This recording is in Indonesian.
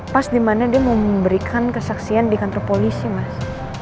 pas dimana dia mau memberikan kesaksian di kantor polisi mas